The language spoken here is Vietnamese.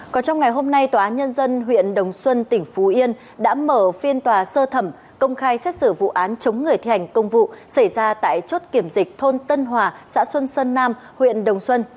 còn trong ngày hôm nay tòa án nhân dân huyện đồng xuân tỉnh phú yên đã mở phiên tòa sơ thẩm công khai xét xử vụ án chống người thi hành công vụ xảy ra tại chốt kiểm dịch thôn tân hòa xã xuân sơn nam huyện đồng xuân